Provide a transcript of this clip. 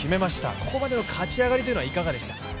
ここまでの勝ち上がりというのはいかがでしたか？